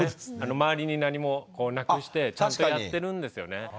周りに何もなくしてちゃんとやってるんですよね。